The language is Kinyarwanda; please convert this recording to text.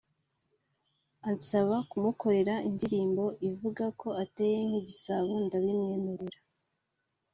ansaba kumukorera indirimbo ivuga ko ateye nk’Igisabo ndabimwemerera